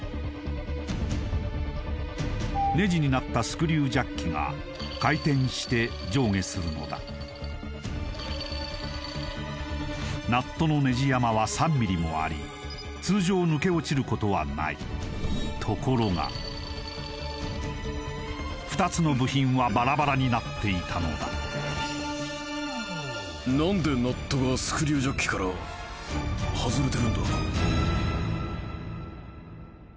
ネジになったスクリュージャッキが回転して上下するのだナットのネジ山は３ｍｍもあり通常抜け落ちることはないところが２つの部品はバラバラになっていたのだ何でナットがスクリュージャッキから外れてるんだ？